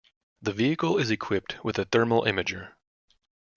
The vehicle is equipped with a thermal imager.